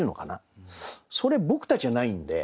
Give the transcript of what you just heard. それ僕たちはないんで。